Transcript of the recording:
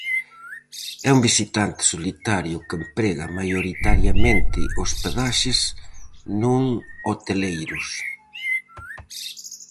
É un visitante solitario que emprega maioritariamente hospedaxes non hoteleiros.